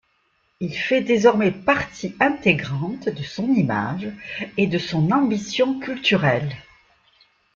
Il fait désormais partie intégrante de son image et de son ambition culturelle.